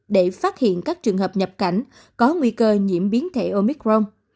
để phát hiện các trường hợp nhập cảnh có nguy cơ nhiễm biến thể omicron